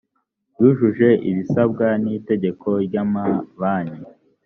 yujuje ibisabwa n’itegeko ry’amabanki